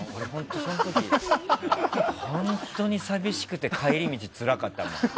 その時、本当に寂しくて帰り道つらかったもん。